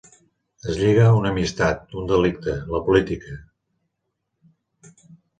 Els lliga una amistat, un delicte, la política.